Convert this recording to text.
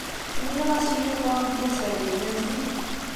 Nniɣ-as i Yuba ad d-yas ar dina zik.